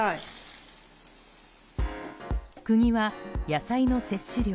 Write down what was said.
国は野菜の摂取量